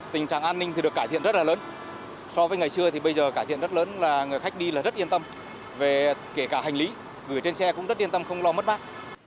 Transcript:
tình trạng an ninh được cải thiện rất lớn so với ngày xưa bây giờ cải thiện rất lớn người khách đi rất yên tâm kể cả hành lý gửi trên xe cũng rất yên tâm không lo mất bác